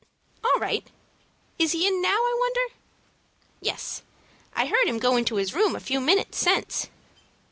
"All right. Is he in now, I wonder?" "Yes. I heard him go into his room a few minutes since."